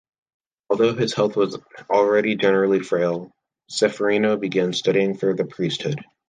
Although his health was already generally frail, Ceferino began studying for the priesthood.